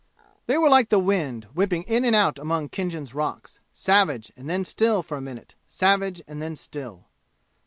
They were like the wind, whipping in and out among Khinjan's rocks, savage and then still for a minute, savage and then still.